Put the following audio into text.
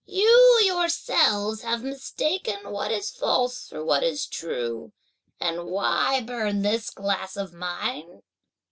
You yourselves have mistaken what is false for what is true, and why burn this glass of mine?"